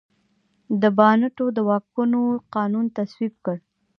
د بانټو د واکونو قانون تصویب کړ.